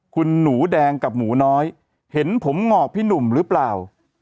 คุณหนูแดงกับหมูน้อยเห็นผมหงอกพี่หนุ่มหรือเปล่า